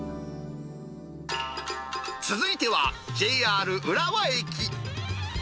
続いては、ＪＲ浦和駅。